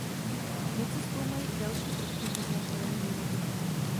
Vědci zkoumají i další prvky vhodné pro jeho výrobu.